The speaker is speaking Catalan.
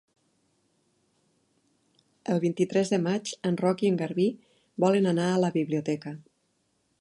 El vint-i-tres de maig en Roc i en Garbí volen anar a la biblioteca.